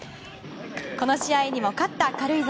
この試合にも勝った軽井沢。